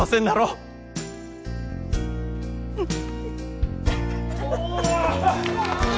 うん。